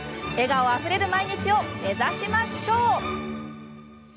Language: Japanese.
笑顔あふれる毎日を目指しましょう。